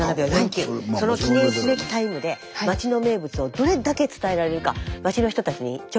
その記念すべきタイムで町の名物をどれだけ伝えられるか町の人たちに挑戦して頂きました。